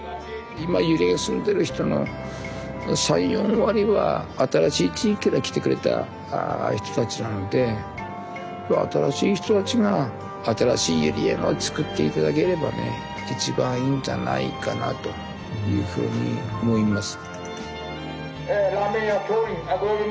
今閖上に住んでいる人の３４割は新しい地域から来てくれた人たちなので新しい人たちが新しい閖上をつくって頂ければね一番いいんじゃないかなというふうに思います。